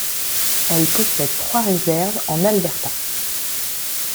Elle possède trois réserves en Alberta.